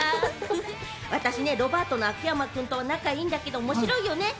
私ね、ロバートの秋山君とはならいいんだけれども、面白いよね。